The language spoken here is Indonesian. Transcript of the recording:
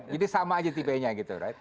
jadi sama aja tipe nya gitu